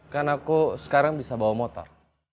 kan aku sekarang bisa bawa motor